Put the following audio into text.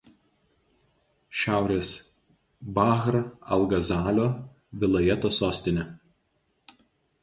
Šiaurės Bahr al Gazalio vilajeto sostinė.